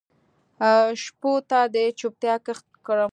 شپو ته د چوپتیا کښت کرم